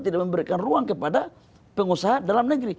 tidak memberikan ruang kepada pengusaha dalam negeri